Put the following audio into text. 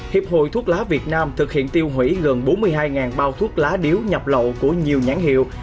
hiệp hội thuốc lá việt nam thực hiện tiêu hủy gần bốn mươi hai bao thuốc lá điếu nhập lậu của nhiều nhãn hiệu